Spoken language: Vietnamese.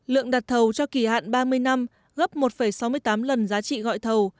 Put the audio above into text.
lượng đặt thầu cho kỳ hạn ba mươi năm gấp một sáu mươi tám lần giá trị gọi thầu